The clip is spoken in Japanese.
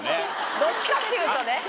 どっちかっていうとね。